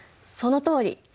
そのとおり！